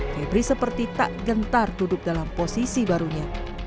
febri seperti tak gentar duduk dalam posisi barunya